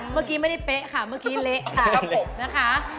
เมื่อกี้ไม่ได้เป๊ะค่ะเมื่อกี้เละค่ะครับผมนะคะ